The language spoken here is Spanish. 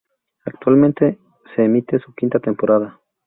Actualmente se emite su quinta temporada.